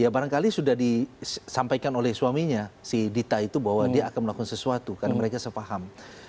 ya barangkali sudah disampaikan oleh suaminya si dita itu bahwa dia akan melakukan sesuatu karena mereka sepaham